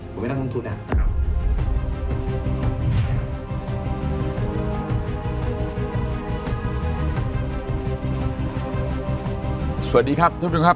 สวัสดีครับทุกคนครับ